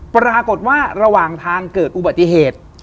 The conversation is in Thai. ปรากฏว่าระหว่างทางเกิดอุบัติเหตุ